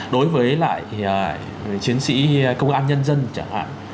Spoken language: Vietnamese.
đối với lại chiến sĩ công an nhân dân chẳng hạn